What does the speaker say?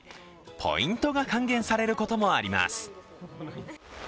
ポイントが還元されることもあります。